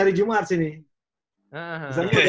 hari jumat sih nih